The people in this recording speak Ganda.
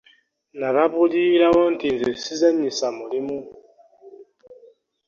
Nababuulirirawo nti nze ssizannyisa mulimu.